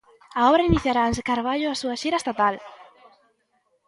A obra iniciará en Carballo súa xira estatal.